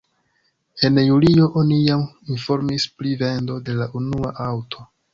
En julio oni jam informis pri vendo de la unua aŭto.